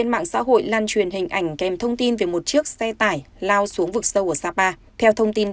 mời quý vị cùng theo dõi